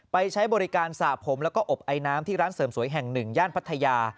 ใช้บริการสระผมแล้วก็อบไอน้ำที่ร้านเสริมสวยแห่งหนึ่งย่านพัทยา